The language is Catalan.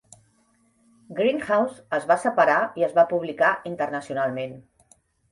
"Grindhouse" es va separar i es va publicar internacionalment.